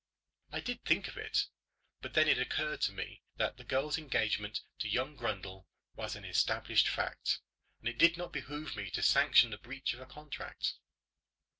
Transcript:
I did think of it; but then it occurred to me that the girl's engagement to young Grundle was an established fact, and it did not behove me to sanction the breach of a contract.